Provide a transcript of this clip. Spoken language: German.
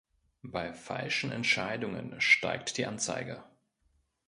Bei falschen Entscheidungen steigt die Anzeige.